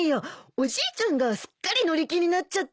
おじいちゃんがすっかり乗り気になっちゃって。